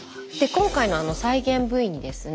今回の再現Ｖにですね